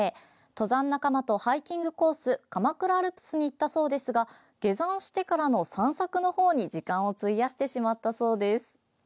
登山仲間とハイキングコース鎌倉アルプスに行ったそうですが下山してからの散策のほうに時間を費やしてしまったそうです。